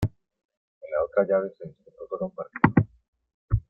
En la otra llave se disputó sólo un partido.